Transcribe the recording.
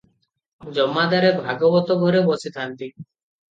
ଜମାଦାରେ ଭାଗବତ ଘରେ ବସିଥାନ୍ତି ।